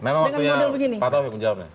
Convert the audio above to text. memang waktunya pak taufik menjawabnya